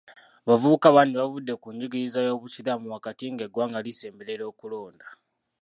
Abavubuka bangi bavudde ku njigiriza y’obuyisiraamu wakati ng’eggwanga lisemberera okulonda.